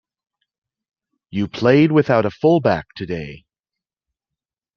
You played without a full-back today.